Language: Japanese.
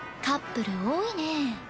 カップル多いね。